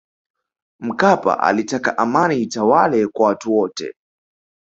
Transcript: mkapa alitaka amani itawale kwa watu wote